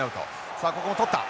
さあここも捕った。